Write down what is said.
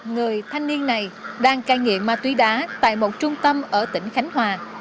người thanh niên này đang cai nghiện ma túy đá tại một trung tâm ở tỉnh khánh hòa